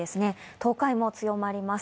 東海も強まります。